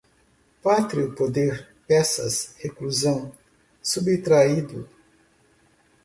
pátrio poder, peças, reclusão, subtraído